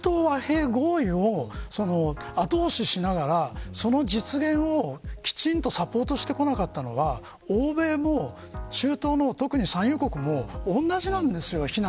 ですから、僕自身は中東和平合意を後押ししながらその実現をきちんとサポートしてこなかったのは欧米も中東も、特に産油国も同じなんですよ